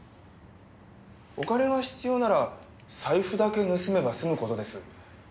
お金が必要なら財布だけ盗めば済む事です。